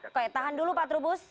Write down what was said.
oke tahan dulu pak trubus